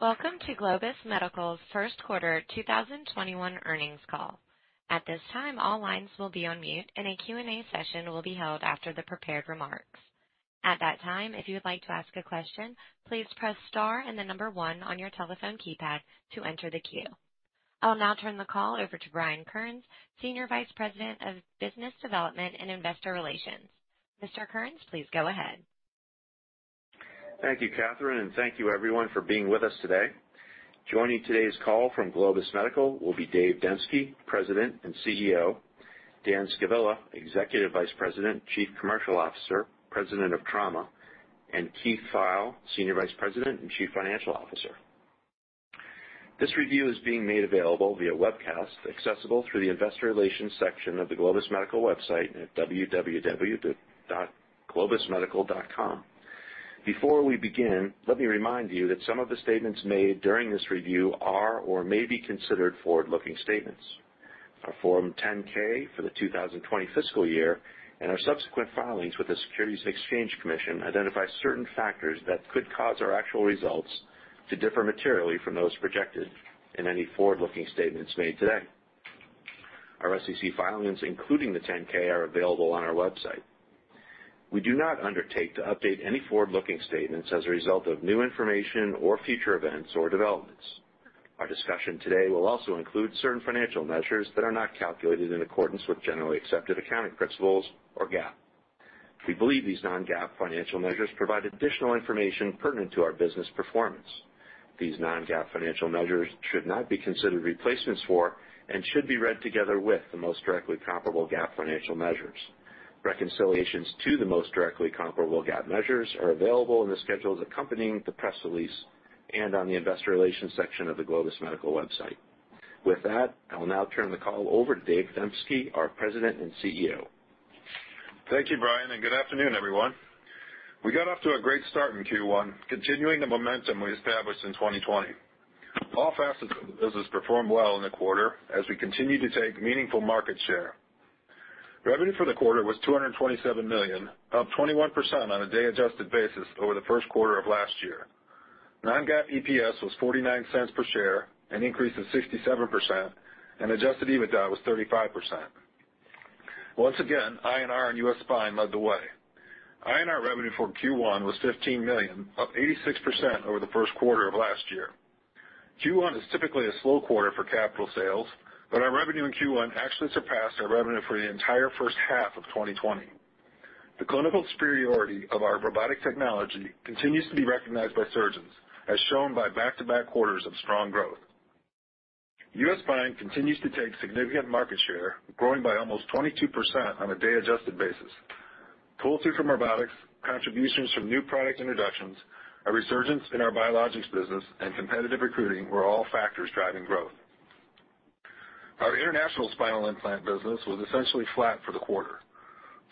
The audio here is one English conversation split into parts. Welcome to Globus Medical's first quarter 2021 earnings call. At this time, all lines will be on mute and Q&A session will be held after the prepaired remarks. At that time, if you would like to ask a question, please press star and then number one on your telephone keypad to enter the queue. I'll now turn the call over to Brian Kearns, Senior Vice President of Business Development and Investor Relations. Mr. Kearns, please go ahead. Thank you, Catherine, and thank you everyone for being with us today. Joining today's call from Globus Medical will be Dave Demsky, President and CEO, Dan Scavilla, Executive Vice President, Chief Commercial Officer, President of Trauma, and Keith Pfeil, Senior Vice President and Chief Financial Officer. This review is being made available via webcast, accessible through the investor relations section of the Globus Medical website at www.globusmedical.com. Before we begin, let me remind you that some of the statements made during this review are or may be considered forward-looking statements. Our Form 10-K for the 2020 fiscal year and our subsequent filings with the Securities and Exchange Commission identify certain factors that could cause our actual results to differ materially from those projected in any forward-looking statements made today. Our SEC filings, including the 10-K, are available on our website. We do not undertake to update any forward-looking statements as a result of new information or future events or developments. Our discussion today will also include certain financial measures that are not calculated in accordance with generally accepted accounting principles or GAAP. We believe these non-GAAP financial measures provide additional information pertinent to our business performance. These non-GAAP financial measures should not be considered replacements for and should be read together with the most directly comparable GAAP financial measures. Reconciliations to the most directly comparable GAAP measures are available in the schedules accompanying the press release and on the investor relations section of the Globus Medical website. With that, I will now turn the call over to Dave Demsky, our President and CEO. Thank you, Brian. Good afternoon, everyone. We got off to a great start in Q1, continuing the momentum we established in 2020. All facets of the business performed well in the quarter as we continue to take meaningful market share. Revenue for the quarter was $227 million, up 21% on a day-adjusted basis over the first quarter of last year. Non-GAAP EPS was $0.49 per share, an increase of 67%, and adjusted EBITDA was 35%. Once again, INR and U.S. Spine led the way. INR revenue for Q1 was $15 million, up 86% over the first quarter of last year. Q1 is typically a slow quarter for capital sales, but our revenue in Q1 actually surpassed our revenue for the entire first half of 2020. The clinical superiority of our robotic technology continues to be recognized by surgeons, as shown by back-to-back quarters of strong growth. U.S. Spine continues to take significant market share, growing by almost 22% on a day-adjusted basis. Pull-through from robotics, contributions from new product introductions, a resurgence in our biologics business, and competitive recruiting were all factors driving growth. Our international spinal implant business was essentially flat for the quarter.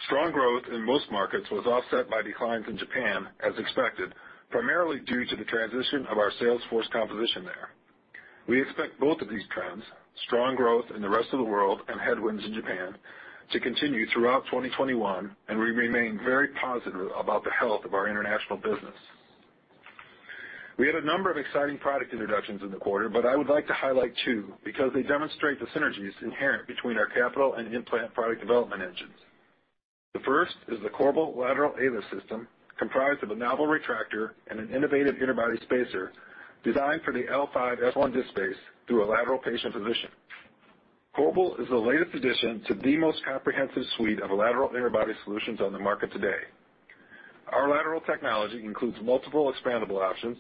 Strong growth in most markets was offset by declines in Japan as expected, primarily due to the transition of our sales force composition there. We expect both of these trends, strong growth in the rest of the world and headwinds in Japan, to continue throughout 2021, and we remain very positive about the health of our international business. We had a number of exciting product introductions in the quarter, but I would like to highlight two because they demonstrate the synergies inherent between our capital and implant product development engines. The first is the CORBEL Lateral ALIF system, comprised of a novel retractor and an innovative interbody spacer designed for the L5-S1 disc space through a lateral patient position. CORBEL is the latest addition to the most comprehensive suite of lateral interbody solutions on the market today. Our lateral technology includes multiple expandable options,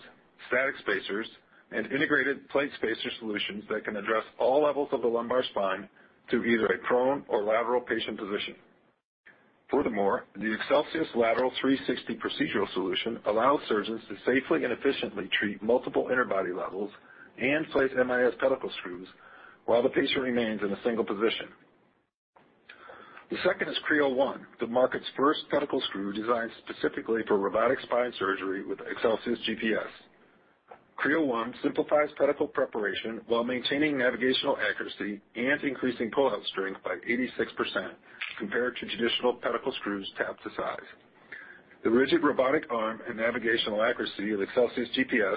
static spacers, and integrated plate spacer solutions that can address all levels of the lumbar spine through either a prone or lateral patient position. The Excelsius Lateral 360 procedural solution allows surgeons to safely and efficiently treat multiple interbody levels and place MIS pedicle screws while the patient remains in a single position. The second is CREO ONE, the market's first pedicle screw designed specifically for robotic spine surgery with ExcelsiusGPS. CREO ONE simplifies pedicle preparation while maintaining navigational accuracy and increasing pullout strength by 86% compared to traditional pedicle screws tapped to size. The rigid robotic arm and navigational accuracy of ExcelsiusGPS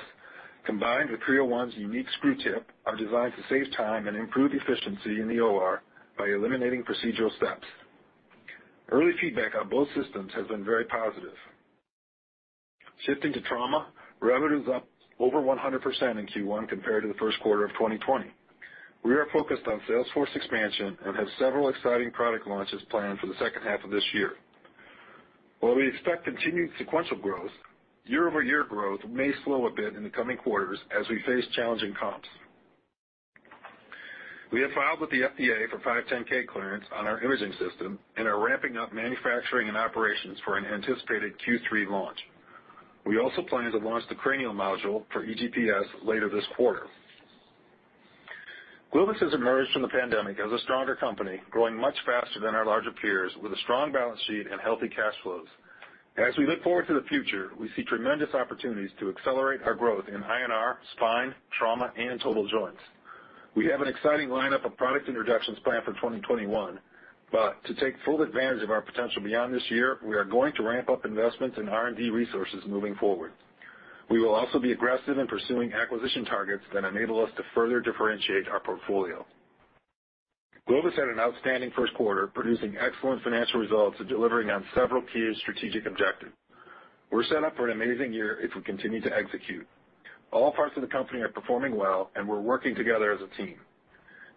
combined with CREO ONE's unique screw tip are designed to save time and improve efficiency in the OR by eliminating procedural steps. Early feedback on both systems has been very positive. Shifting to Trauma, revenue is up over 100% in Q1 compared to the first quarter of 2020. We are focused on sales force expansion and have several exciting product launches planned for the second half of this year. While we expect continued sequential growth, year-over-year growth may slow a bit in the coming quarters as we face challenging comps. We have filed with the FDA for 510(k) clearance on our imaging system and are ramping up manufacturing and operations for an anticipated Q3 launch. We also plan to launch the cranial module for eGPS later this quarter. Globus has emerged from the pandemic as a stronger company, growing much faster than our larger peers with a strong balance sheet and healthy cash flows. As we look forward to the future, we see tremendous opportunities to accelerate our growth in INR, Spine, Trauma, and total joints. We have an exciting lineup of product introductions planned for 2021. To take full advantage of our potential beyond this year, we are going to ramp up investments in R&D resources moving forward. We will also be aggressive in pursuing acquisition targets that enable us to further differentiate our portfolio. Globus had an outstanding first quarter, producing excellent financial results and delivering on several key strategic objectives. We're set up for an amazing year if we continue to execute. All parts of the company are performing well, and we're working together as a team.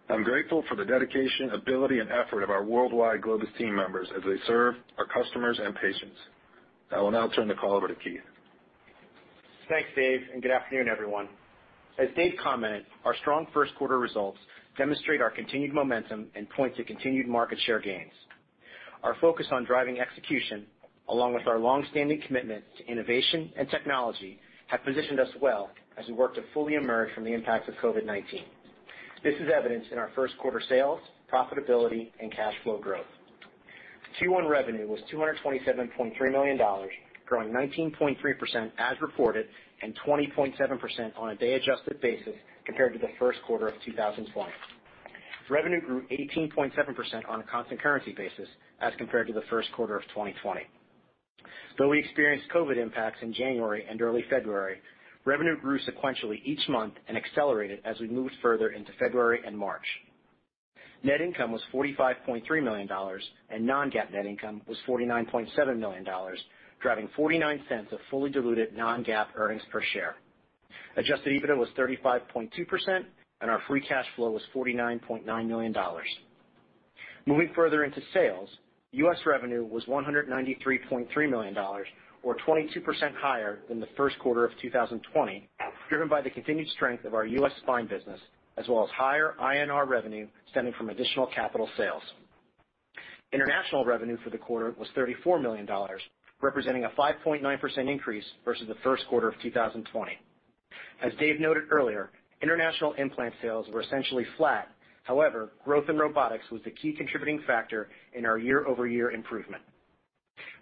I'm grateful for the dedication, ability, and effort of our worldwide Globus team members as they serve our customers and patients. I will now turn the call over to Keith. Thanks, Dave. Good afternoon, everyone. As Dave commented, our strong first quarter results demonstrate our continued momentum and point to continued market share gains. Our focus on driving execution, along with our long-standing commitment to innovation and technology, have positioned us well as we work to fully emerge from the impacts of COVID-19. This is evidenced in our first quarter sales, profitability, and cash flow growth. Q1 revenue was $227.3 million, growing 19.3% as reported, and 20.7% on a day-adjusted basis compared to the first quarter of 2020. Revenue grew 18.7% on a constant currency basis as compared to the first quarter of 2020. Though we experienced COVID impacts in January and early February, revenue grew sequentially each month and accelerated as we moved further into February and March. Net income was $45.3 million, and non-GAAP net income was $49.7 million, driving $0.49 of fully diluted non-GAAP earnings per share. Adjusted EBITDA was 35.2%, and our free cash flow was $49.9 million. Moving further into sales, U.S. revenue was $193.3 million, or 22% higher than the first quarter of 2020, driven by the continued strength of our U.S. spine business, as well as higher INR revenue stemming from additional capital sales. International revenue for the quarter was $34 million, representing a 5.9% increase versus the first quarter of 2020. As Dave noted earlier, international implant sales were essentially flat, however, growth in robotics was the key contributing factor in our year-over-year improvement.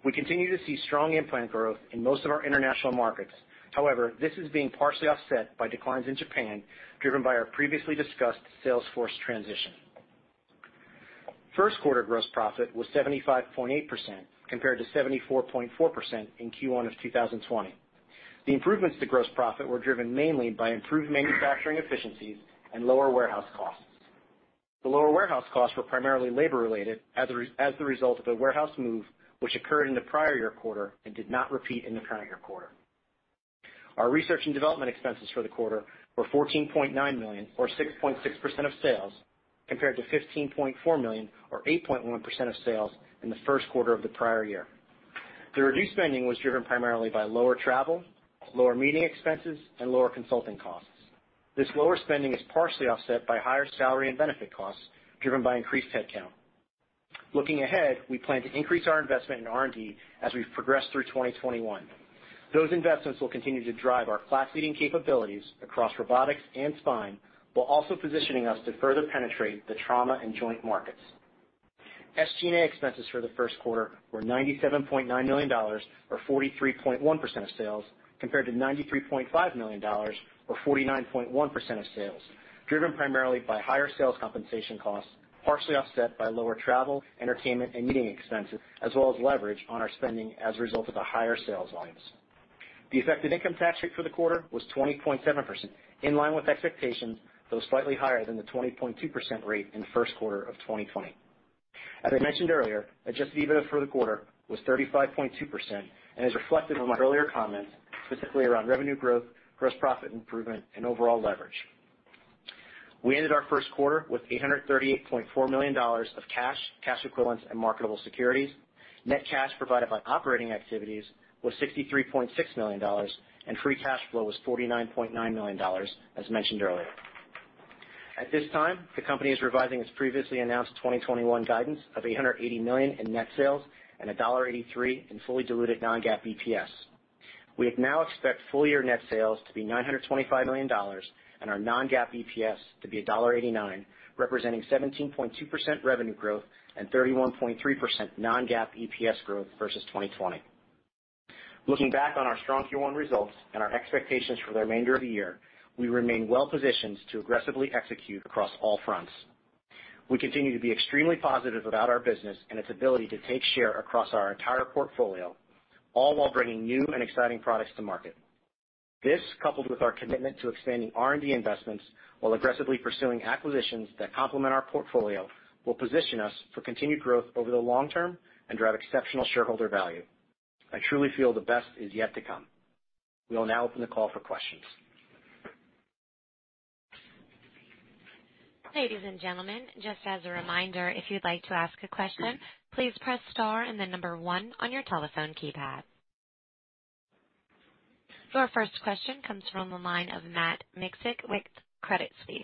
We continue to see strong implant growth in most of our international markets, however, this is being partially offset by declines in Japan, driven by our previously discussed sales force transition. First quarter gross profit was 75.8%, compared to 74.4% in Q1 of 2020. The improvements to gross profit were driven mainly by improved manufacturing efficiencies and lower warehouse costs. The lower warehouse costs were primarily labor-related as the result of a warehouse move, which occurred in the prior year quarter and did not repeat in the prior year quarter. Our research and development expenses for the quarter were $14.9 million or 6.6% of sales, compared to $15.4 million or 8.1% of sales in the first quarter of the prior year. The reduced spending was driven primarily by lower travel, lower meeting expenses, and lower consulting costs. This lower spending is partially offset by higher salary and benefit costs driven by increased headcount. Looking ahead, we plan to increase our investment in R&D as we progress through 2021. Those investments will continue to drive our class-leading capabilities across robotics and spine, while also positioning us to further penetrate the trauma and joint markets. SG&A expenses for the first quarter were $97.9 million or 43.1% of sales, compared to $93.5 million or 49.1% of sales, driven primarily by higher sales compensation costs, partially offset by lower travel, entertainment, and meeting expenses, as well as leverage on our spending as a result of the higher sales volumes. The effective income tax rate for the quarter was 20.7%, in line with expectations, though slightly higher than the 20.2% rate in the first quarter of 2020. As I mentioned earlier, adjusted EBITDA for the quarter was 35.2% and is reflected in my earlier comments, specifically around revenue growth, gross profit improvement, and overall leverage. We ended our first quarter with $838.4 million of cash equivalents, and marketable securities. Net cash provided by operating activities was $63.6 million, and free cash flow was $49.9 million as mentioned earlier. At this time, the company is revising its previously announced 2021 guidance of $880 million in net sales and $1.83 in fully diluted non-GAAP EPS. We now expect full-year net sales to be $925 million and our non-GAAP EPS to be $1.89, representing 17.2% revenue growth and 31.3% non-GAAP EPS growth versus 2020. Looking back on our strong Q1 results and our expectations for the remainder of the year, we remain well-positioned to aggressively execute across all fronts. We continue to be extremely positive about our business and its ability to take share across our entire portfolio, all while bringing new and exciting products to market. This, coupled with our commitment to expanding R&D investments while aggressively pursuing acquisitions that complement our portfolio, will position us for continued growth over the long term and drive exceptional shareholder value. I truly feel the best is yet to come. We will now open the call for questions. Ladies and gentlemen, just as a reminder, if you would like to ask a question, please press star and then number one on your telephone keypad Your first question comes from the line of Matt Miksicwith Credit Suisse.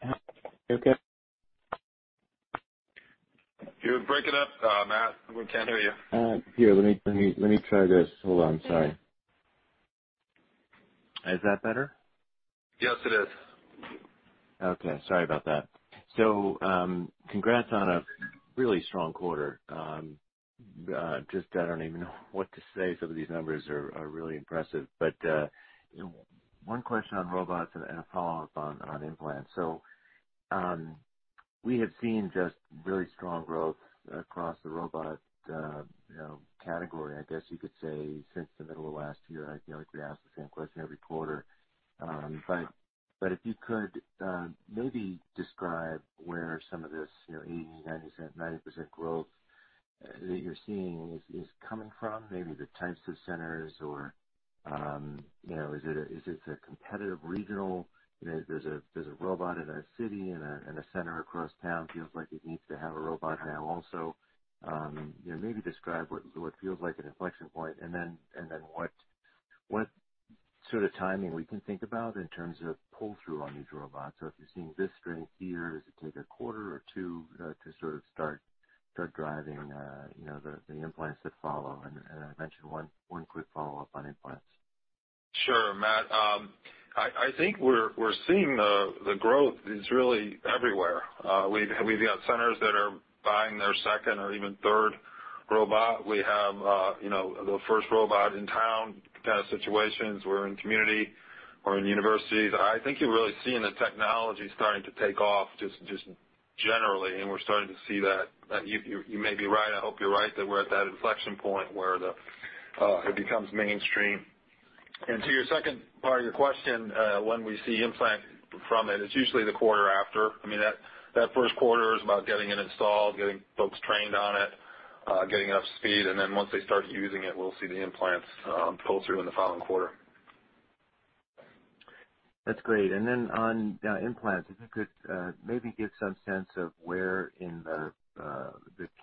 Can you hear me okay? You're breaking up, Matt. We can't hear you. Here, let me try this. Hold on. Sorry. Is that better? Yes, it is. Okay, sorry about that. Congrats on a really strong quarter. Just, I don't even know what to say. Some of these numbers are really impressive. One question on robots and a follow-up on implants. We have seen just really strong growth across the robot category, I guess you could say, since the middle of last year. I feel like we ask the same question every quarter. If you could maybe describe where some of this 80%, 90% growth that you're seeing is coming from, maybe the types of centers or is it a competitive regional, there's a robot in a city, in a center across town, feels like it needs to have a robot now also? Maybe describe what feels like an inflection point and then what sort of timing we can think about in terms of pull-through on these robots. If you're seeing this strength here, does it take a quarter or two to sort of start driving the implants that follow? I mentioned one quick follow-up on implants. Sure, Matt. I think we're seeing the growth is really everywhere. We've got centers that are buying their second or even third robot. We have the first robot in town kind of situations. We're in community. We're in universities. I think you're really seeing the technology starting to take off just generally, we're starting to see that you may be right. I hope you're right that we're at that inflection point where it becomes mainstream. To your second part of your question, when we see implant from it's usually the quarter after, I mean, that first quarter is about getting it installed, getting folks trained on it, getting up to speed. Once they start using it, we'll see the implants pull through in the following quarter. That's great. On implants, if you could maybe give some sense of where in the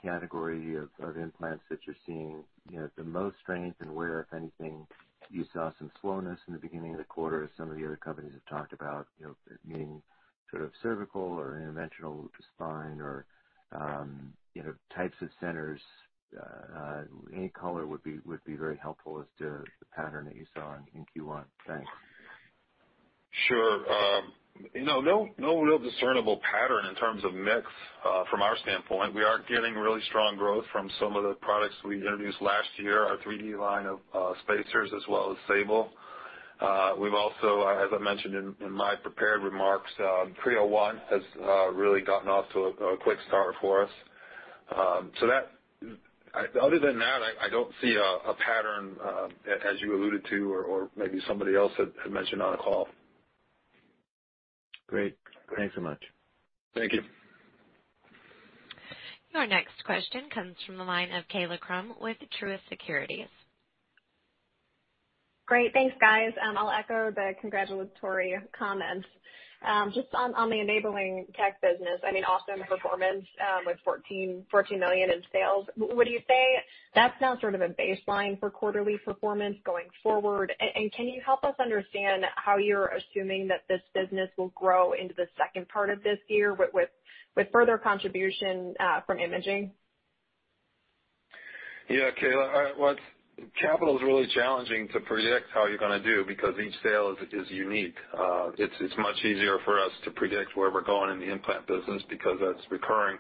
category of implants that you're seeing the most strength and where, if anything, you saw some slowness in the beginning of the quarter as some of the other companies have talked about, meaning sort of cervical or interventional to spine or types of centers. Any color would be very helpful as to the pattern that you saw in Q1. Thanks. Sure. No real discernible pattern in terms of mix from our standpoint. We are getting really strong growth from some of the products we introduced last year, our 3D line of spacers as well as SABLE. We've also, as I mentioned in my prepared remarks, CREO ONE has really gotten off to a quick start for us. Other than that, I don't see a pattern as you alluded to or maybe somebody else had mentioned on the call. Great. Thanks so much. Thank you. Your next question comes from the line of Kaila Krum with Truist Securities. Great. Thanks, guys. I'll echo the congratulatory comments. Just on the enabling technologies business, I mean, awesome performance with $14 million in sales. Would you say that's now sort of a baseline for quarterly performance going forward? Can you help us understand how you're assuming that this business will grow into the second part of this year with further contribution from imaging? Yeah, Kaila. Capital is really challenging to predict how you're going to do because each sale is unique. It's much easier for us to predict where we're going in the implant business because that's recurring.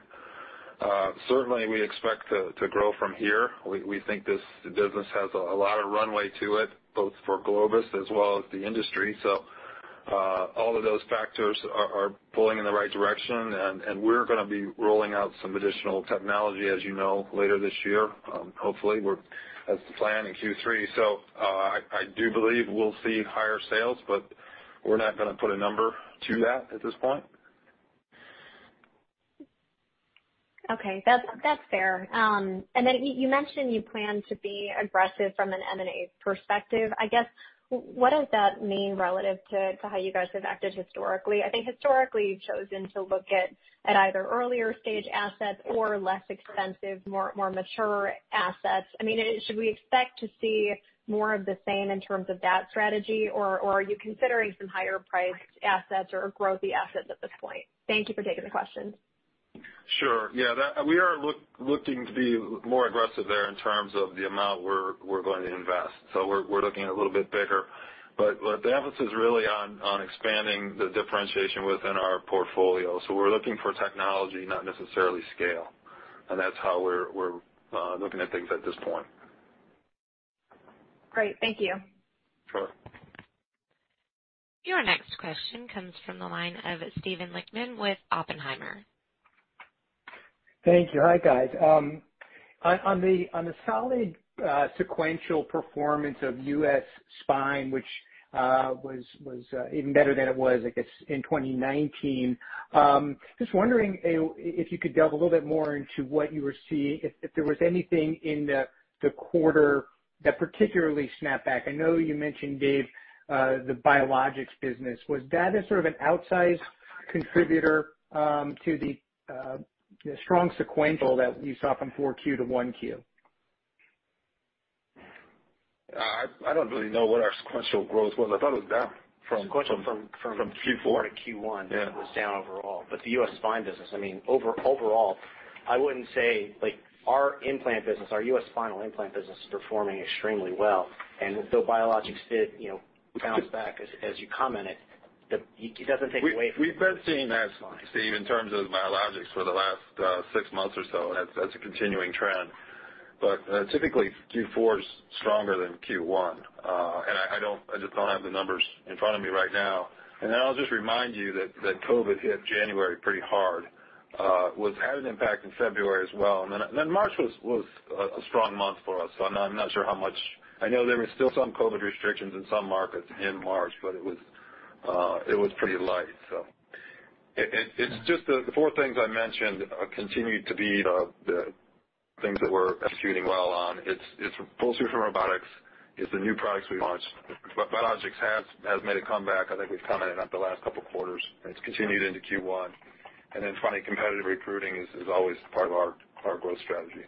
Certainly, we expect to grow from here. We think this business has a lot of runway to it, both for Globus as well as the industry. All of those factors are pulling in the right direction, and we're going to be rolling out some additional technology, as you know, later this year. Hopefully, that's the plan in Q3. I do believe we'll see higher sales, but we're not going to put a number to that at this point. Okay. That's fair. You mentioned you plan to be aggressive from an M&A perspective. I guess, what does that mean relative to how you guys have acted historically? I think historically, you've chosen to look at either earlier-stage assets or less expensive, more mature assets. I mean, should we expect to see more of the same in terms of that strategy, or are you considering some higher-priced assets or grow the assets at this point? Thank you for taking the question. Sure. Yeah, we are looking to be more aggressive there in terms of the amount we're going to invest. We're looking a little bit bigger. The emphasis is really on expanding the differentiation within our portfolio. We're looking for technology, not necessarily scale. That's how we're looking at things at this point. Great. Thank you. Sure. Your next question comes from the line of Steven Lichtman with Oppenheimer. Thank you. Hi, guys. On the solid sequential performance of U.S. Spine, which was even better than it was, I guess, in 2019, just wondering if you could delve a little bit more into what you were seeing, if there was anything in the quarter that particularly snapped back. I know you mentioned, Dave, the biologics business, was that a sort of an outsized contributor to the strong sequential that you saw from 4Q to 1Q? I don't really know what our sequential growth was. Sequential- From Q4. ...quarter to Q1- Yeah ...it was down overall. The U.S. Spine business, I mean overall I wouldn't say our implant business, our U.S. spinal implant business is performing extremely well. Though biologics did bounce back, as you commented, it doesn't take away from. We've been seeing that, Steve, in terms of biologics for the last six months or so. That's a continuing trend. Typically Q4 is stronger than Q1. I just don't have the numbers in front of me right now. I'll just remind you that COVID hit January pretty hard. It had an impact in February as well, and then March was a strong month for us. I'm not sure how much. I know there was still some COVID restrictions in some markets in March, but it was pretty light. It's just the four things I mentioned continue to be the things that we're executing well on. It's full suite from robotics. It's the new products we launched. Biologics has made a comeback. I think we've commented on the last couple of quarters, and it's continued into Q1. Competitive recruiting is always part of our growth strategy.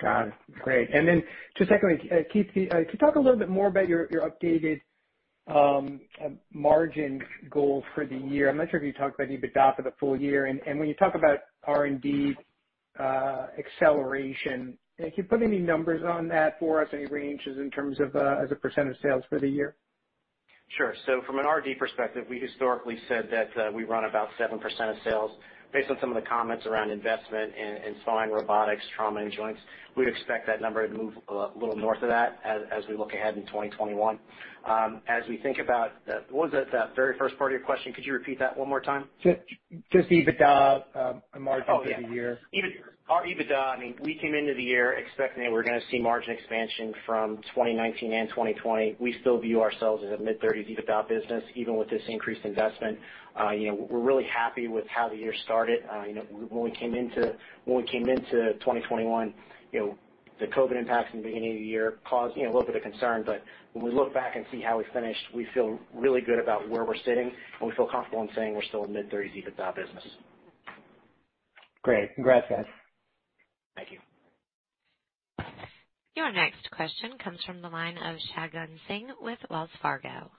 Got it. Great. Just secondly, Keith, could you talk a little bit more about your updated margin goal for the year? I'm not sure if you talked about EBITDA for the full year, and when you talk about R&D acceleration, can you put any numbers on that for us, any ranges in terms of as a percentage of sales for the year? Sure. From an R&D perspective, we historically said that we run about 7% of sales based on some of the comments around investment in spine, robotics, trauma, and joints. We expect that number to move a little north of that as we look ahead in 2021. As we think about what was that very first part of your question? Could you repeat that one more time? Just EBITDA margin for the year. Oh, yeah. Our EBITDA, we came into the year expecting that we're going to see margin expansion from 2019 and 2020. We still view ourselves as a mid-30s EBITDA business, even with this increased investment. We're really happy with how the year started. When we came into 2021, the COVID impacts in the beginning of the year caused a little bit of concern. When we look back and see how we finished, we feel really good about where we're sitting, and we feel comfortable in saying we're still a mid-30s EBITDA business. Great. Congrats, guys. Thank you. Your next question comes from the line of Shagun Singh with Wells Fargo.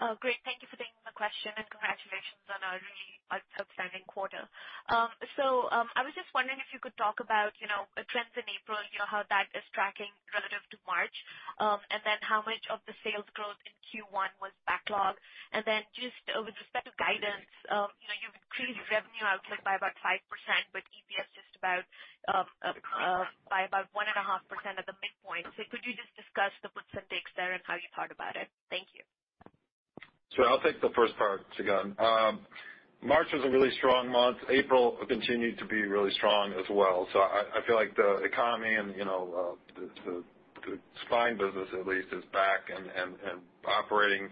Oh, great. Thank you for taking the question and congratulations on a really outstanding quarter. I was just wondering if you could talk about trends in April, how that is tracking relative to March. How much of the sales growth in Q1 was backlog. Just with respect to guidance, you've increased revenue outlook by about 5%, but EPS just by about 1.5% at the midpoint. Could you just discuss the puts and takes there and how you thought about it? Thank you. Sure. I'll take the first part, Shagun. March was a really strong month. April continued to be really strong as well. I feel like the economy and the spine business at least is back and operating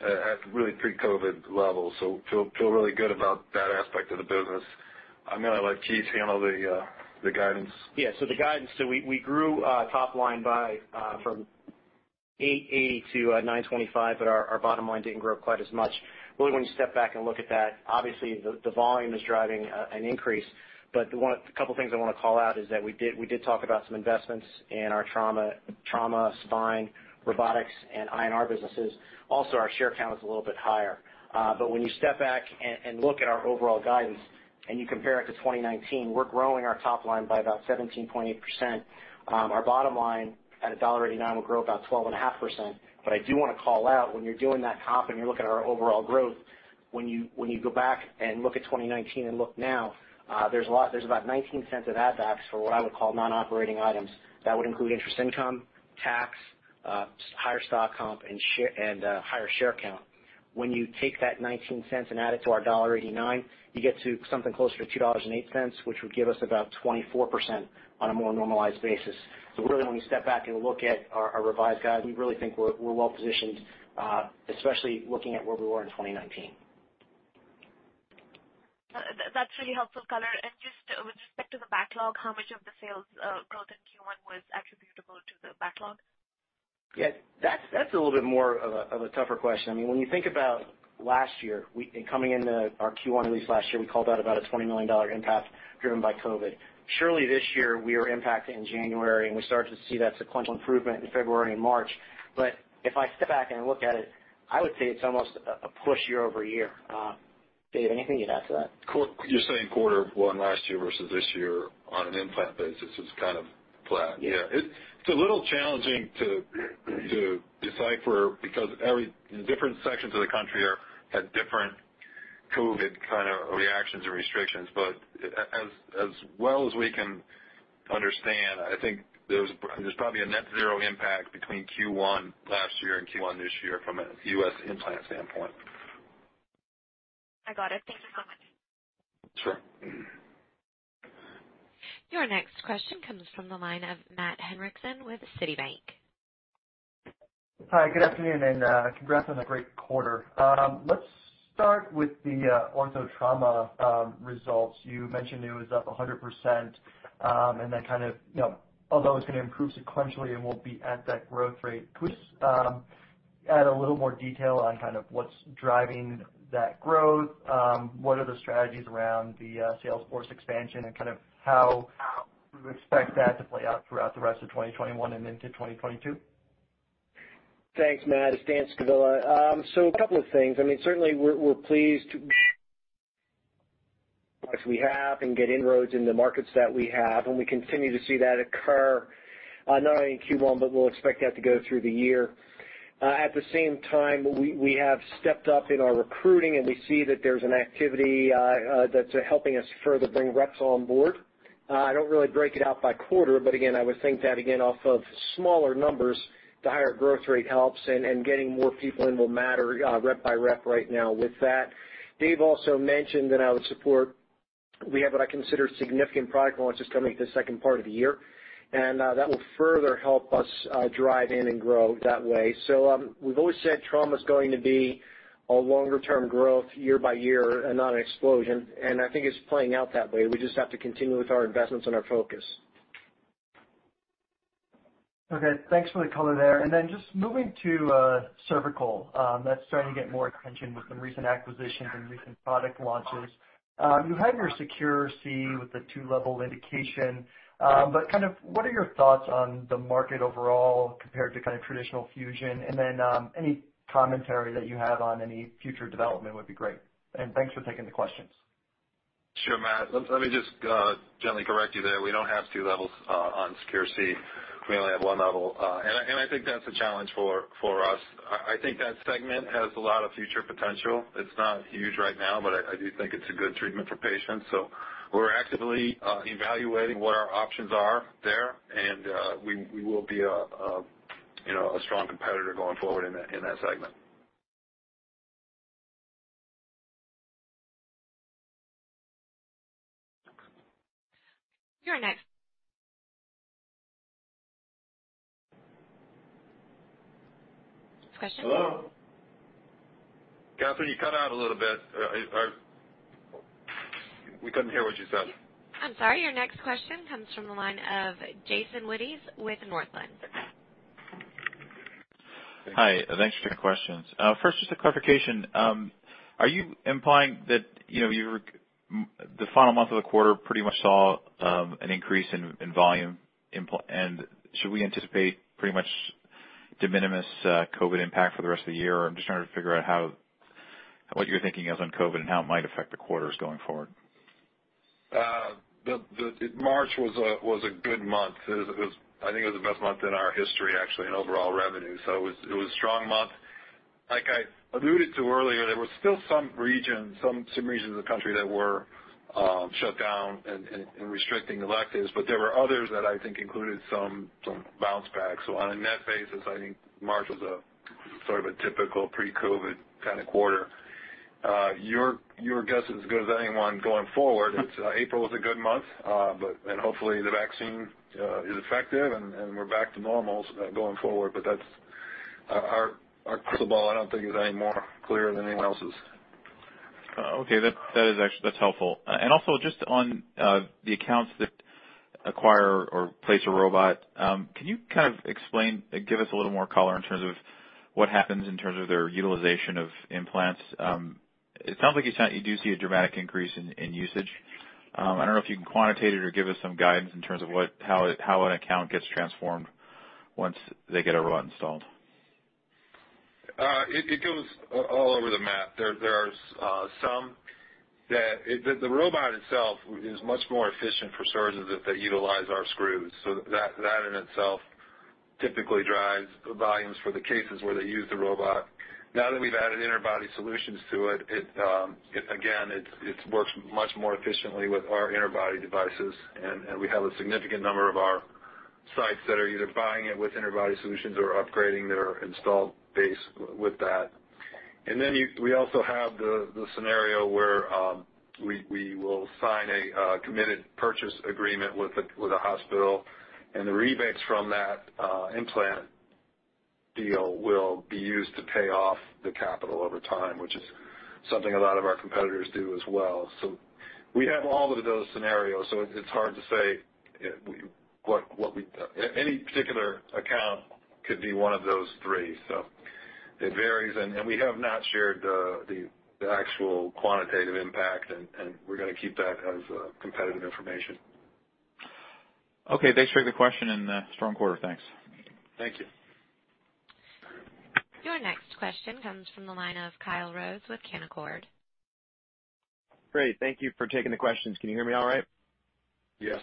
at really pre-COVID levels. Feel really good about that aspect of the business. I'm going to let Keith handle the guidance. Yeah. The guidance. We grew top line from $880 million to $925 million. Our bottom line didn't grow quite as much. Really, when you step back and look at that, obviously, the volume is driving an increase, but a couple of things I want to call out is that we did talk about some investments in our Trauma, Spine, Robotics, and INR businesses. Also, our share count is a little bit higher. When you step back and look at our overall guidance and you compare it to 2019, we're growing our top line by about 17.8%. Our bottom line at $1.89 will grow about 12.5%. I do want to call out when you're doing that comp and you look at our overall growth, when you go back and look at 2019 and look now, there's about $0.19 of add backs for what I would call non-operating items. That would include interest income, tax, higher stock comp, and higher share count. When you take that $0.19 and add it to our $1.89, you get to something closer to $2.08, which would give us about 24% on a more normalized basis. Really, when we step back and look at our revised guide, we really think we're well-positioned, especially looking at where we were in 2019. That's really helpful color. Just with respect to the backlog, how much of the sales growth in Q1 was attributable to the backlog? Yeah. That's a little bit more of a tougher question. When you think about last year, coming into our Q1 release last year, we called out about a $20 million impact driven by COVID. Surely this year, we were impacted in January, and we started to see that sequential improvement in February and March. If I step back and look at it, I would say it's almost a push year-over-year. Dave, anything you'd add to that? You're saying Q1 last year versus this year on an implant basis is kind of flat. Yeah. It's a little challenging to decipher because different sections of the country had different COVID kind of reactions or restrictions. As well as we can understand, I think there's probably a net zero impact between Q1 last year and Q1 this year from a U.S. implant standpoint. I got it. Thanks so much. Sure. Your next question comes from the line of Matt Hendrickson with Citibank. Hi, good afternoon. Congrats on a great quarter. Let's start with the ortho trauma results. You mentioned it was up 100%, and that kind of, although it's going to improve sequentially, it won't be at that growth rate. Could you just add a little more detail on kind of what's driving that growth? What are the strategies around the sales force expansion and kind of how we would expect that to play out throughout the rest of 2021 and into 2022? Thanks, Matt. It's Dan Scavilla. A couple of things. Certainly, we're pleased as we have and get inroads in the markets that we have, and we continue to see that occur, not only in Q1, but we'll expect that to go through the year. At the same time, we have stepped up in our recruiting, and we see that there's an activity that's helping us further bring reps on board. I don't really break it out by quarter, but again, I would think that again off of smaller numbers, the higher growth rate helps and getting more people in will matter rep by rep right now with that. Dave also mentioned, and I would support, we have what I consider significant product launches coming the second part of the year, and that will further help us drive in and grow that way. We've always said trauma's going to be a longer-term growth year by year and not an explosion, and I think it's playing out that way. We just have to continue with our investments and our focus. Okay. Thanks for the color there. Just moving to cervical, that's starting to get more attention with some recent acquisitions and recent product launches. You had your SECURE-C with the two-level indication. What are your thoughts on the market overall compared to kind of traditional fusion? Any commentary that you have on any future development would be great. Thanks for taking the questions. Sure, Matt. Let me just gently correct you there. We don't have two levels on SECURE-C. We only have one level. I think that's a challenge for us. I think that segment has a lot of future potential. It's not huge right now, but I do think it's a good treatment for patients. We're actively evaluating what our options are there, and we will be a strong competitor going forward in that segment. Your next question-- Hello? Catherine, you cut out a little bit. We couldn't hear what you said. I'm sorry. Your next question comes from the line of Jason Wittes with Northland. Hi, thanks for the questions. First, just a clarification. Are you implying that the final month of the quarter pretty much saw an increase in volume? Should we anticipate pretty much de minimis COVID impact for the rest of the year? I'm just trying to figure out what your thinking is on COVID and how it might affect the quarters going forward. March was a good month. I think it was the best month in our history, actually, in overall revenue. It was a strong month. Like I alluded to earlier, there were still some regions of the country that were shut down and restricting electives, but there were others that I think included some bounce back. On a net basis, I think March was sort of a typical pre-COVID kind of quarter. Your guess is as good as anyone going forward. April was a good month, and hopefully the vaccine is effective, and we're back to normal going forward. Our crystal ball, I don't think, is any more clear than anyone else's. Okay. That's helpful. Also just on the accounts that acquire or place a robot, can you kind of explain, give us a little more color in terms of what happens in terms of their utilization of implants? It sounds like you do see a dramatic increase in usage. I don't know if you can quantitate it or give us some guidance in terms of how an account gets transformed once they get a robot installed. It goes all over the map. The robot itself is much more efficient for surgeons if they utilize our screws. That in itself typically drives volumes for the cases where they use the robot. Now that we've added interbody solutions to it, again, it works much more efficiently with our interbody devices, and we have a significant number of our sites that are either buying it with interbody solutions or upgrading their installed base with that. We also have the scenario where we will sign a committed purchase agreement with a hospital, and the rebates from that implant deal will be used to pay off the capital over time, which is something a lot of our competitors do as well. We have all of those scenarios, so it's hard to say. Any particular account could be one of those three. It varies, and we have not shared the actual quantitative impact, and we're going to keep that as competitive information. Okay. Thanks for the question and the strong quarter. Thanks. Thank you. Your next question comes from the line of Kyle Rose with Canaccord. Great. Thank you for taking the questions. Can you hear me all right? Yes.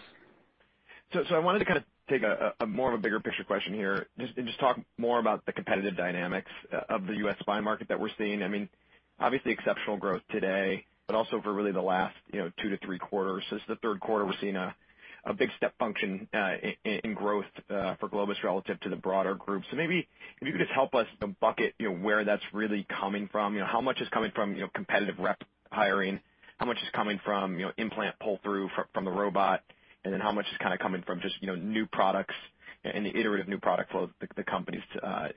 I wanted to kind of take a more of a bigger picture question here and just talk more about the competitive dynamics of the U.S. spine market that we're seeing. Obviously exceptional growth today, but also for really the last two to three quarters. Since the third quarter, we're seeing a big step function in growth for Globus relative to the broader group. Maybe if you could just help us bucket where that's really coming from. How much is coming from competitive rep hiring? How much is coming from implant pull-through from the robot? How much is kind of coming from just new products and the iterative new product flow the company's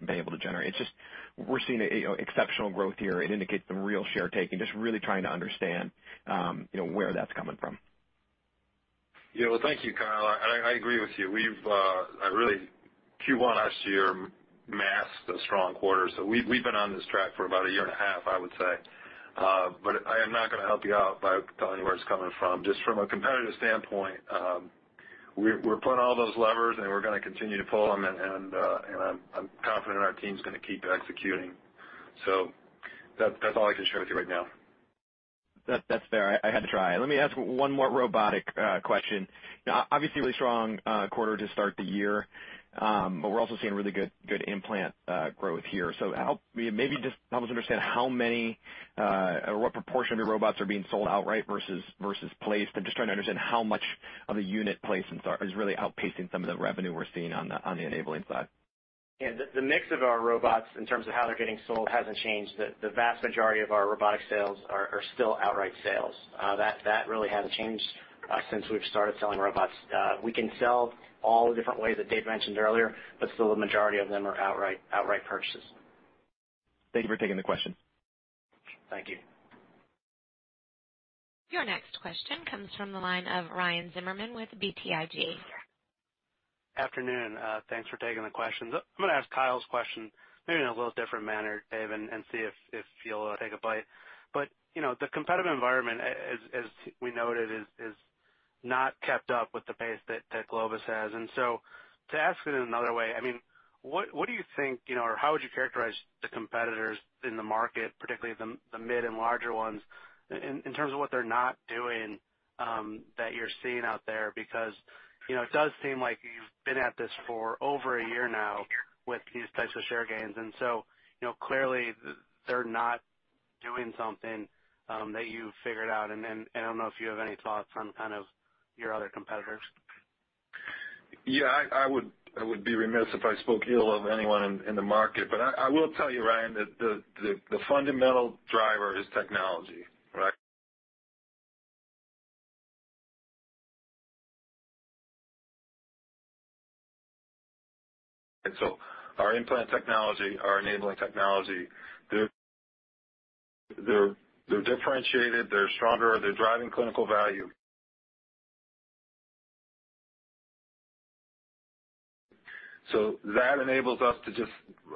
been able to generate? It's just we're seeing exceptional growth here. It indicates some real share taking. Just really trying to understand where that's coming from. Well, thank you, Kyle. I agree with you. Really Q1 last year masked a strong quarter. We've been on this track for about a year and a half, I would say. I am not going to help you out by telling you where it's coming from. Just from a competitive standpoint. We're pulling all those levers, and we're going to continue to pull them, and I'm confident our team's going to keep executing. That's all I can share with you right now. That's fair. I had to try. Let me ask one more robotic question. Obviously, a really strong quarter to start the year. We're also seeing really good implant growth here. Maybe just help us understand how many or what proportion of your robots are being sold outright versus placed? I'm just trying to understand how much of the unit placements are really outpacing some of the revenue we're seeing on the enabling side. Yeah. The mix of our robots in terms of how they're getting sold hasn't changed. The vast majority of our robotic sales are still outright sales. That really hasn't changed since we've started selling robots. We can sell all the different ways that Dave mentioned earlier, but still the majority of them are outright purchases. Thank you for taking the question. Thank you. Your next question comes from the line of Ryan Zimmerman with BTIG. Afternoon. Thanks for taking the questions. I'm going to ask Kyle's question maybe in a little different manner, Dave, and see if you'll take a bite. The competitive environment, as we noted, has not kept up with the pace that Globus has. To ask it another way, what do you think, or how would you characterize the competitors in the market, particularly the mid and larger ones, in terms of what they're not doing that you're seeing out there? It does seem like you've been at this for over a year now with these types of share gains. Clearly they're not doing something that you've figured out, and I don't know if you have any thoughts on kind of your other competitors. Yeah, I would be remiss if I spoke ill of anyone in the market. I will tell you, Ryan, that the fundamental driver is technology, right? Our implant technology, our enabling technology, they're differentiated, they're stronger, they're driving clinical value. That enables us to just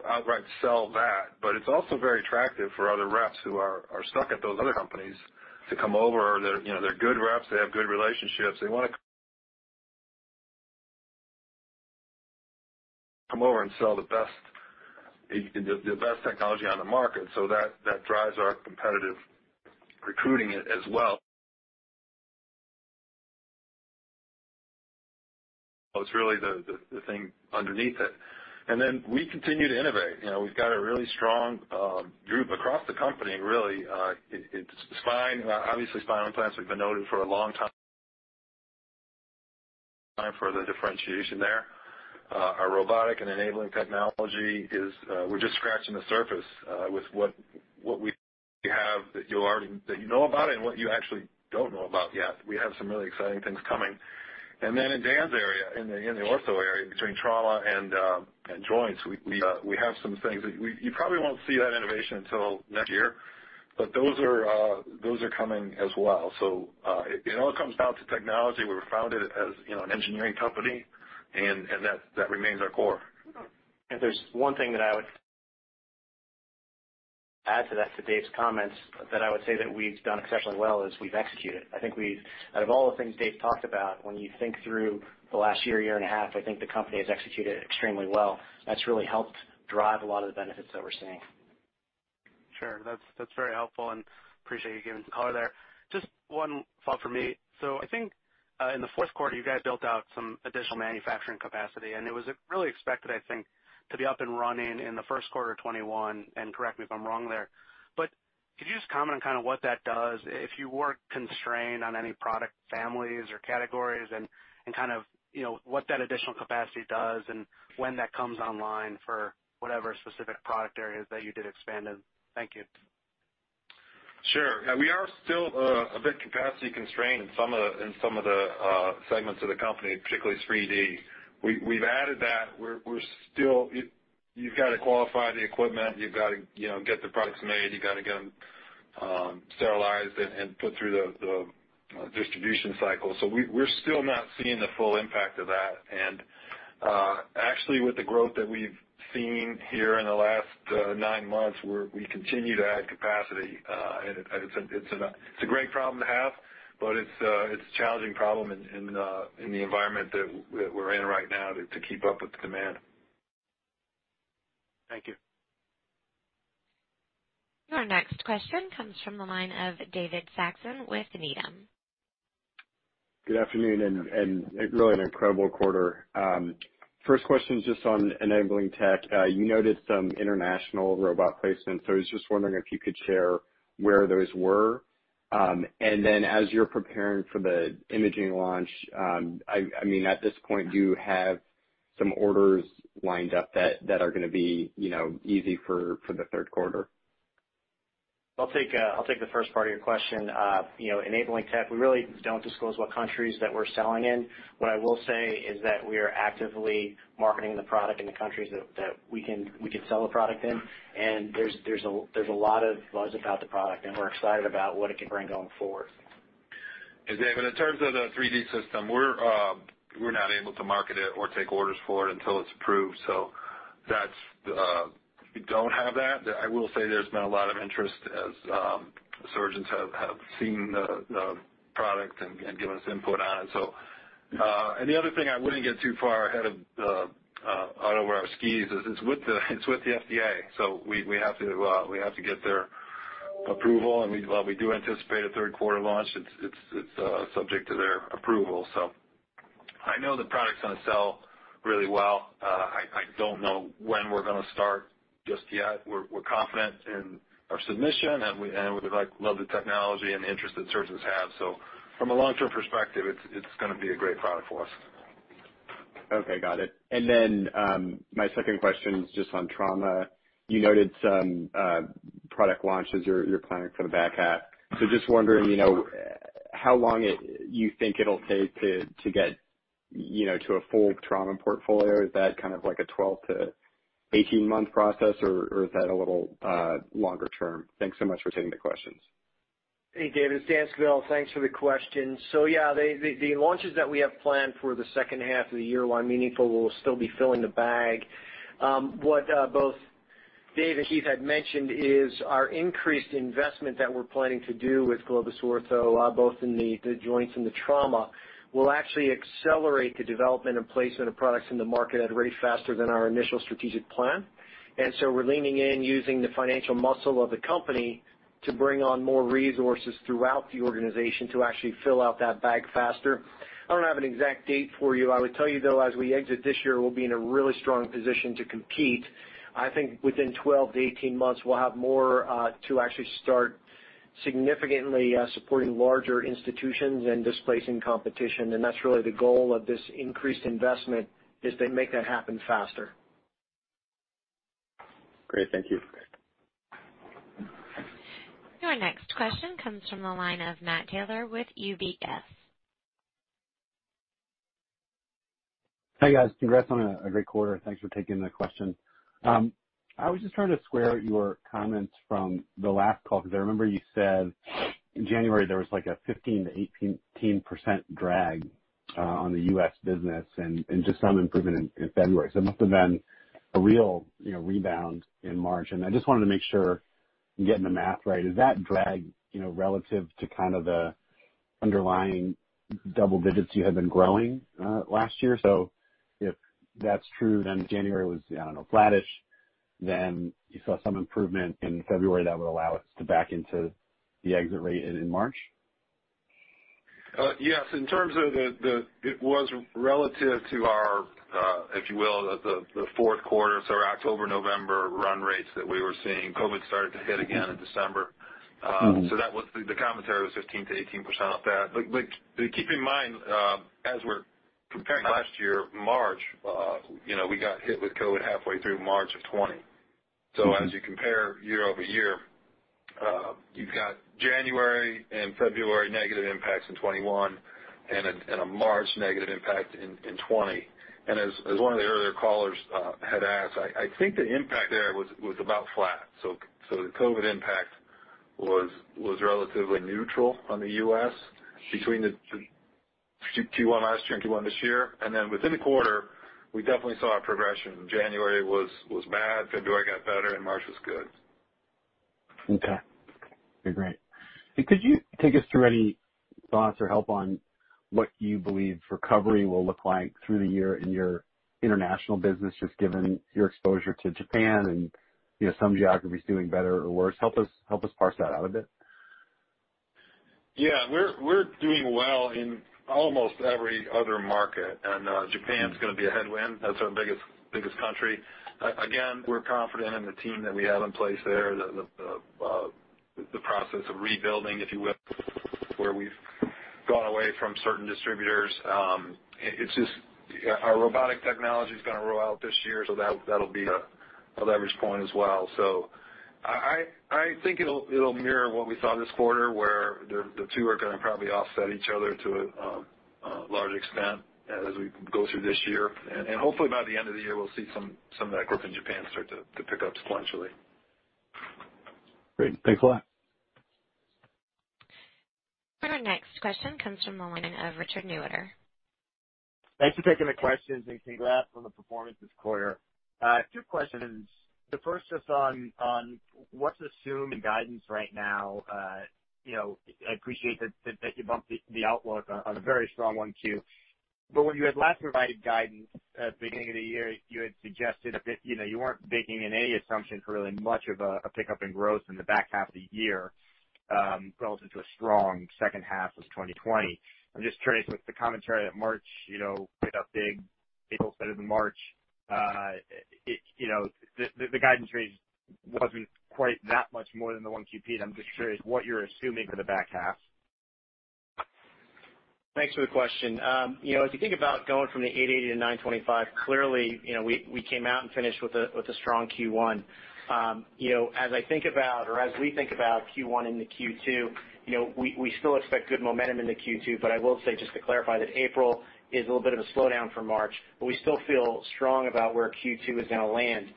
outright sell that. It's also very attractive for other reps who are stuck at those other companies to come over. They're good reps. They have good relationships. They want to come over and sell the best technology on the market. That drives our competitive recruiting as well. It's really the thing underneath it. We continue to innovate. We've got a really strong group across the company really. Obviously, spinal implants we've been noted for a long time for the differentiation there. Our robotic and enabling technology, we're just scratching the surface with what we have that you know about and what you actually don't know about yet. We have some really exciting things coming. In Dan's area, in the ortho area between trauma and joints, we have some things that you probably won't see that innovation until next year. Those are coming as well. It all comes down to technology. We were founded as an engineering company, and that remains our core. If there's one thing that I would add to that, to Dave's comments, that I would say that we've done exceptionally well is we've executed. I think out of all the things Dave talked about, when you think through the last year and a half, I think the company has executed extremely well. That's really helped drive a lot of the benefits that we're seeing. Sure. That's very helpful. Appreciate you giving some color there. Just one follow-up from me. I think in the fourth quarter, you guys built out some additional manufacturing capacity, and it was really expected, I think, to be up and running in the first quarter of 2021, and correct me if I'm wrong there. Could you just comment on kind of what that does if you weren't constrained on any product families or categories and kind of what that additional capacity does and when that comes online for whatever specific product areas that you did expand in? Thank you. Sure. We are still a bit capacity constrained in some of the segments of the company, particularly 3D. We've added that. You've got to qualify the equipment. You've got to get the products made. You got to get them sterilized and put through the distribution cycle. We're still not seeing the full impact of that. Actually, with the growth that we've seen here in the last nine months, we continue to add capacity. It's a great problem to have, but it's a challenging problem in the environment that we're in right now to keep up with the demand. Thank you. Your next question comes from the line of David Saxon with Needham. Good afternoon. Really an incredible quarter. First question is just on enabling tech, You noted some international robot placements. I was just wondering if you could share where those were. As you're preparing for the imaging launch, at this point, do you have some orders lined up that are going to be easy for the third quarter? I'll take the first part of your question. Enabling tech, we really don't disclose what countries that we're selling in. What I will say is that we are actively marketing the product in the countries that we can sell the product in. There's a lot of buzz about the product, and we're excited about what it can bring going forward. Dave, in terms of the 3D system, we're not able to market it or take orders for it until it's approved. We don't have that. I will say there's been a lot of interest as surgeons have seen the product and given us input on it. The other thing I wouldn't get too far ahead of out over our skis is it's with the FDA. We have to get their approval, and while we do anticipate a third-quarter launch, it's subject to their approval. I know the product's going to sell really well. I don't know when we're going to start just yet. We're confident in our submission, and we love the technology and the interest that surgeons have. From a long-term perspective, it's going to be a great product for us. Okay. Got it. My second question is just on trauma. You noted some product launches you're planning for the back half. Just wondering, how long you think it'll take to get to a full trauma portfolio? Is that kind of like a 12-18-month process, or is that a little longer term? Thanks so much for taking the questions. Hey, David. It's Dan Scavilla. Thanks for the question. Yeah, the launches that we have planned for the second half of the year, while meaningful, will still be filling the bag. What both Dave and Keith had mentioned is our increased investment that we're planning to do with Globus Ortho, both in the joints and the trauma, will actually accelerate the development and placement of products in the market at a rate faster than our initial strategic plan. We're leaning in using the financial muscle of the company to bring on more resources throughout the organization to actually fill out that bag faster. I don't have an exact date for you. I would tell you, though, as we exit this year, we'll be in a really strong position to compete. I think within 12-18 months, we'll have more to actually start significantly supporting larger institutions and displacing competition. That's really the goal of this increased investment, is to make that happen faster. Great. Thank you. Your next question comes from the line of Matt Taylor with UBS. Hey, guys. Congrats on a great quarter. Thanks for taking the question. I was just trying to square your comments from the last call, because I remember you said in January there was like a 15%-18% drag on the U.S. business and just some improvement in February. It must have been a real rebound in March. I just wanted to make sure I'm getting the math right. Is that drag relative to kind of the underlying double digits you had been growing last year? If that's true, then January was, I don't know, flattish, then you saw some improvement in February that would allow it to back into the exit rate in March? Yes, in terms of it was relative to our, if you will, the fourth quarter. Our October, November run rates that we were seeing. COVID started to hit again in December. The commentary was 15%-18% off that. Keep in mind, as we're comparing last year, March, we got hit with COVID halfway through March of 2020. As you compare year-over-year, you've got January and February negative impacts in 2021, and a March negative impact in 2020. As one of the earlier callers had asked, I think the impact there was about flat. The COVID impact was relatively neutral on the U.S. between the Q1 last year and Q1 this year. Within the quarter, we definitely saw a progression. January was bad, February got better, and March was good. Okay. Great. Could you take us through any thoughts or help on what you believe recovery will look like through the year in your international business, just given your exposure to Japan and some geographies doing better or worse? Help us parse that out a bit. Yeah. We're doing well in almost every other market, and Japan's going to be a headwind. That's our biggest country. Again, we're confident in the team that we have in place there, the process of rebuilding, if you will, where we've gone away from certain distributors. It's just our robotic technology's going to roll out this year, so that'll be a leverage point as well. I think it'll mirror what we saw this quarter, where the two are going to probably offset each other to a large extent as we go through this year. Hopefully, by the end of the year, we'll see some of that growth in Japan start to pick up sequentially. Great. Thanks a lot. Our next question comes from the line of Richard Newitter. Thanks for taking the questions. Congrats on the performance this quarter. Two questions. The first just on what's assumed in guidance right now. I appreciate that you bumped the outlook on a very strong 1Q. When you had last provided guidance at the beginning of the year, you had suggested that you weren't baking in any assumption for really much of a pickup in growth in the back half of the year, relative to a strong second half of 2020. I'm just curious, with the commentary that March, we had a big April instead of the March. The guidance raise wasn't quite that much more than the 1Q beat. I'm just curious what you're assuming for the back half. Thanks for the question. If you think about going from the $880 million to $925 million. Clearly, we came out and finished with a strong Q1. As I think about, or as we think about Q1 into Q2, we still expect good momentum into Q2. I will say, just to clarify, that April is a little bit of a slowdown from March, but we still feel strong about where Q2 is going to land.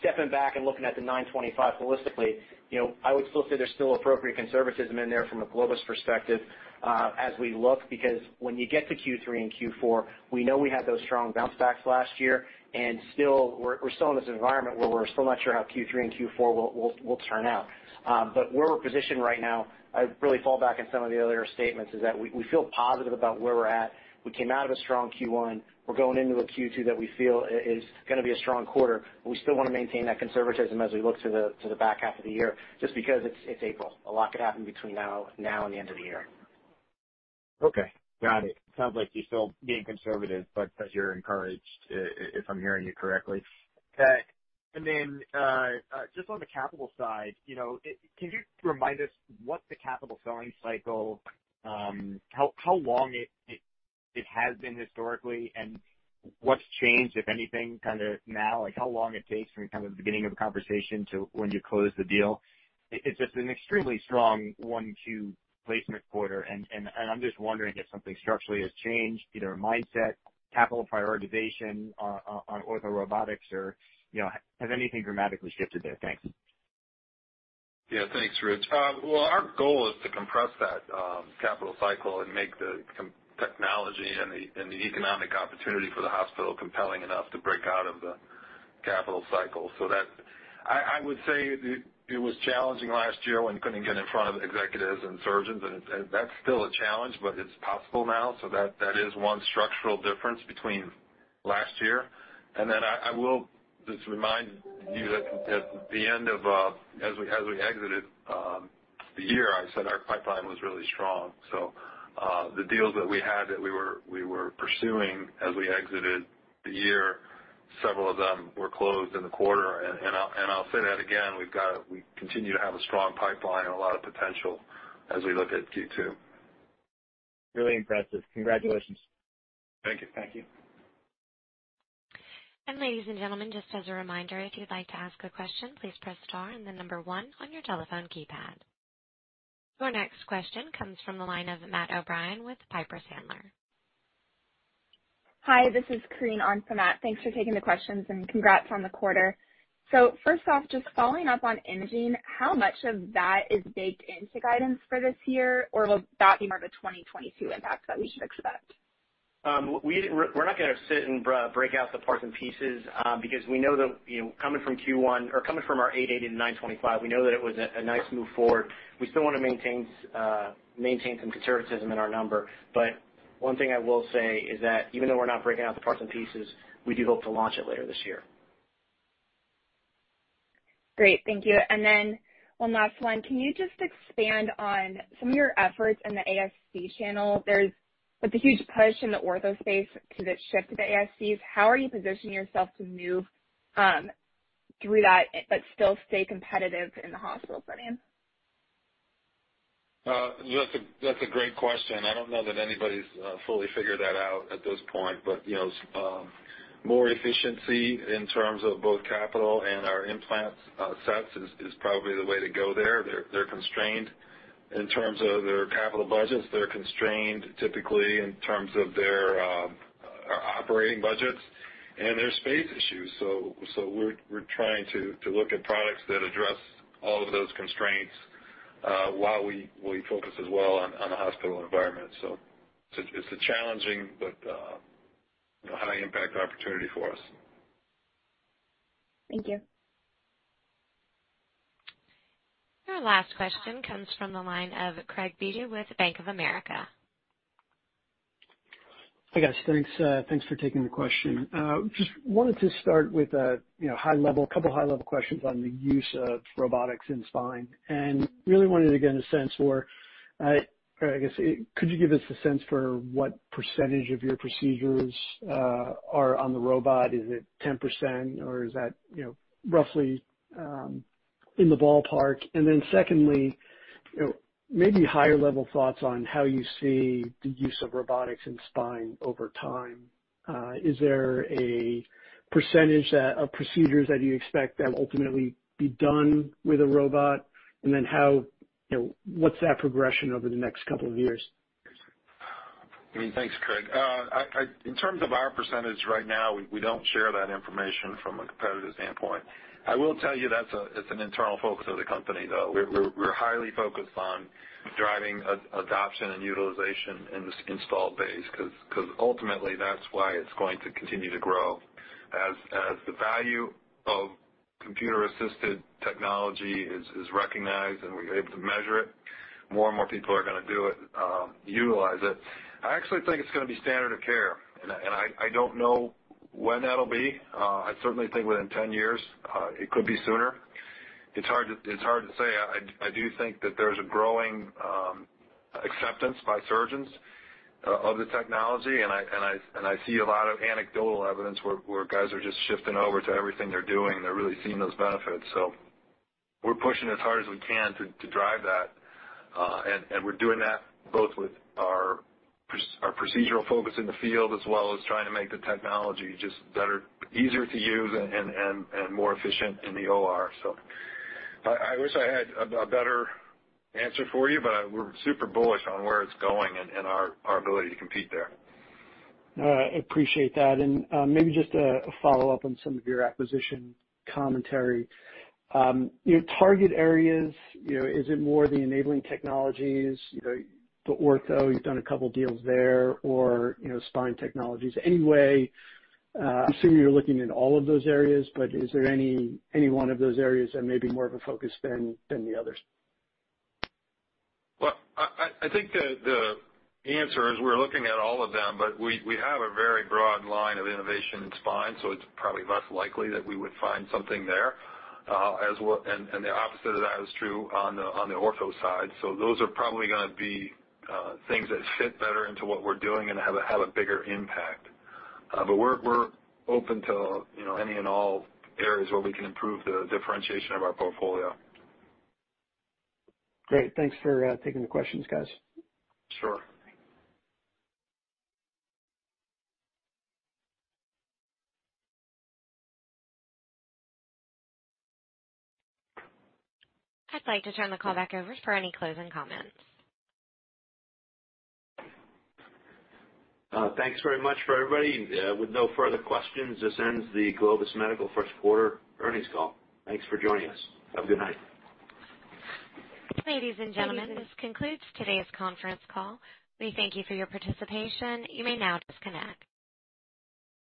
Stepping back and looking at the $925 million, holistically, I would still say there's still appropriate conservatism in there from a Globus Medical perspective as we look, because when you get to Q3 and Q4, we know we had those strong bounce backs last year, and still we're still in this environment where we're still not sure how Q3 and Q4 will turn out. Where we're positioned right now, I really fall back on some of the other statements, is that we feel positive about where we're at. We came out of a strong Q1. We're going into a Q2 that we feel is going to be a strong quarter, but we still want to maintain that conservatism as we look to the back half of the year, just because it's April. A lot could happen between now and the end of the year. Okay. Got it. Sounds like you're still being conservative, but that you're encouraged, if I'm hearing you correctly. Then just on the capital side, can you remind us what the capital selling cycle, how long it has been historically, and what's changed, if anything, now? How long it takes from the beginning of a conversation to when you close the deal? It's just an extremely strong one-two placement quarter, and I'm just wondering if something structurally has changed, either a mindset, capital prioritization on ortho robotics, or has anything dramatically shifted there? Thanks. Yeah, thanks, Rich. Well, our goal is to compress that capital cycle and make the technology and the economic opportunity for the hospital compelling enough to break out of the capital cycle. I would say it was challenging last year when you couldn't get in front of executives and surgeons, and that's still a challenge, but it's possible now. That is one structural difference between last year. I will just remind you that at the end of, as we exited the year, I said our pipeline was really strong. The deals that we had that we were pursuing as we exited the year, several of them were closed in the quarter. I'll say that again, we continue to have a strong pipeline and a lot of potential as we look at Q2. Really impressive. Congratulations. Thank you. Thank you. Ladies and gentlemen, just as a reminder, if you'd like to ask a question, please press star and the number one on your telephone keypad. Your next question comes from the line of Matt O'Brien with Piper Sandler. Hi, this is Korinne on for Matt. Thanks for taking the questions, and congrats on the quarter. First off, just following up on imaging, how much of that is baked into guidance for this year, or will that be more of a 2022 impact that we should expect? We're not going to sit and break out the parts and pieces because we know that coming from Q1 or coming from our $880 million to $925 million, we know that it was a nice move forward. We still want to maintain some conservatism in our number. One thing I will say is that even though we're not breaking out the parts and pieces, we do hope to launch it later this year. Great. Thank you. One last one. Can you just expand on some of your efforts in the ASC channel? There's a huge push in the ortho space to the shift to the ASCs. How are you positioning yourself to move through that but still stay competitive in the hospital setting? That's a great question. I don't know that anybody's fully figured that out at this point. More efficiency in terms of both capital and our implant sets is probably the way to go there. They're constrained in terms of their capital budgets. They're constrained typically in terms of their operating budgets and there's space issues. We're trying to look at products that address all of those constraints while we focus as well on the hospital environment. It's a challenging but high impact opportunity for us. Thank you. Our last question comes from the line of Craig Bijou with Bank of America. Hey, guys. Thanks for taking the question. Just wanted to start with a couple high level questions on the use of robotics in spine. Really wanted to get a sense for, I guess, could you give us a sense for what percentage of your procedures are on the robot? Is it 10% or is that roughly in the ballpark? Secondly, maybe higher level thoughts on how you see the use of robotics in spine over time. Is there a percentage of procedures that you expect that ultimately be done with a robot? What's that progression over the next couple of years? Thanks, Craig. In terms of our percentage right now, we don't share that information from a competitive standpoint. I will tell you that it's an internal focus of the company, though. We're highly focused on driving adoption and utilization in this install base because ultimately, that's why it's going to continue to grow. As the value of computer-assisted technology is recognized and we're able to measure it, more and more people are going to do it, utilize it. I actually think it's going to be standard of care, and I don't know when that'll be. I certainly think within 10 years. It could be sooner. It's hard to say. I do think that there's a growing acceptance by surgeons of the technology, and I see a lot of anecdotal evidence where guys are just shifting over to everything they're doing. They're really seeing those benefits. We're pushing as hard as we can to drive that. We're doing that both with our procedural focus in the field, as well as trying to make the technology just better, easier to use and more efficient in the OR. I wish I had a better answer for you, but we're super bullish on where it's going and our ability to compete there. I appreciate that. Maybe just a follow-up on some of your acquisition commentary. Your target areas, is it more the enabling technologies, the ortho, you've done a couple deals there, or spine technologies? Any way, I'm assuming you're looking in all of those areas, is there any one of those areas that may be more of a focus than the others? I think the answer is we're looking at all of them, we have a very broad line of innovation in spine, it's probably less likely that we would find something there. The opposite of that is true on the ortho side. Those are probably going to be things that fit better into what we're doing and have a bigger impact. We're open to any and all areas where we can improve the differentiation of our portfolio. Great. Thanks for taking the questions, guys. Sure. I'd like to turn the call back over for any closing comments. Thanks very much for everybody. With no further questions, this ends the Globus Medical first quarter earnings call. Thanks for joining us. Have a good night. Ladies and gentlemen, this concludes today's conference call. We thank you for your participation. You may now disconnect.